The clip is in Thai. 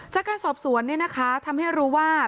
จากการสอบสวนเนี่ยนะคะทำให้รู้ว่า